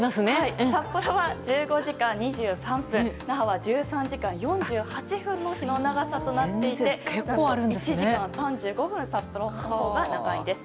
札幌は１５時間２３分那覇は１３時間４８分の日の長さとなっていて１時間３５分札幌のほうが長いんです。